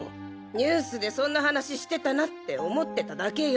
ニュースでそんな話してたなって思ってただけよ！